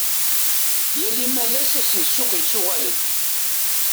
Yal imalas, ass n ssuq yettuɣal-d.